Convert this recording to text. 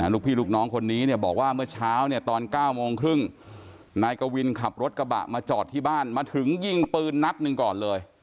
ลูกพี่ลูกน้องคนนี้เนี่ยบอกว่าเมื่อเช้าเนี่ยตอน๙โมงครึ่งนายกวินขับรถกระบะมาจอดที่บ้านมาถึงยิงปืนนัดหนึ่งก่อนเลย